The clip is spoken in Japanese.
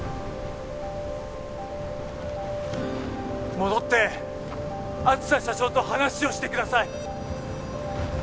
戻って梓社長と話をしてください